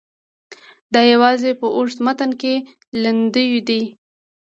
دا یوازې په اوږده متن کې لیندیو دي.